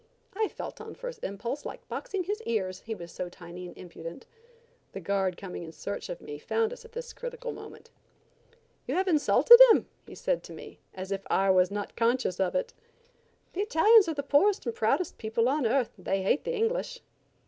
I felt on first impulse like boxing his ears, he was so tiny and impudent. The guard coming in search of me, found us at this critical moment. "You have insulted him," he said to me, as if I was not conscious of it! "The Italians are the poorest and proudest people on earth. They hate the English."